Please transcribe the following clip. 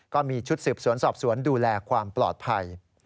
ก็มีชุดสืบสวนสอบสวนดูแลความปลอดภัย